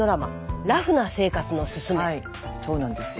はいそうなんですよ。